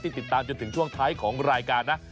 ติดตามจนถึงช่วงท้ายของรายการนะ